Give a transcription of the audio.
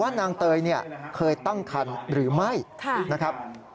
ว่านางเตยเนี่ยเคยตั้งคันหรือไม่นะครับ